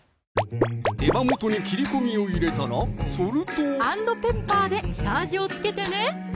手羽元に切り込みを入れたらソルト＆ペッパーで下味を付けてね